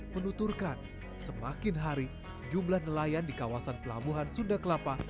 menuturkan semakin hari jumlah nelayan di kawasan pelabuhan sunda kelapa